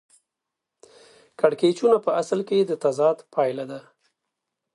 کړکېچونه په اصل کې د تضاد پایله ده